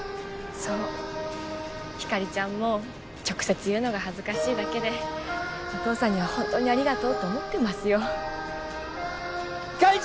そうひかりちゃんも直接言うのが恥ずかしいだけでお父さんには本当にありがとうって思ってますよひかり